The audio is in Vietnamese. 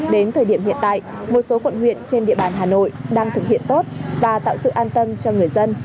đến thời điểm hiện tại một số quận huyện trên địa bàn hà nội đang thực hiện tốt và tạo sự an tâm cho người dân